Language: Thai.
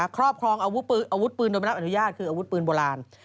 ครอบครองอาวุธปืนโดยไม่รับอนุญาตคืออาวุธปืนโบราณ